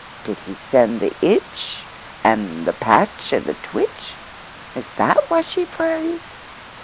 Did he send the itch and the patch and the twitch? Is that why she prays?